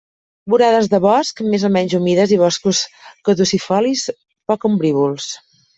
Vorades de bosc més o menys humides i boscos caducifolis poc ombrívols.